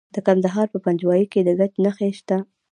د کندهار په پنجوايي کې د ګچ نښې شته.